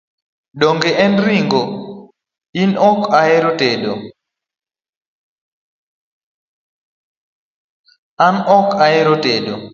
An ok ahero tedo